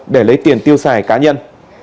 để lấy tiền tiêu xài cá nhân